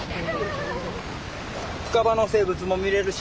深場の生物も見れるし